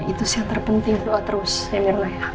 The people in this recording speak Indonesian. itu sih yang terpenting doa terus ya mirna ya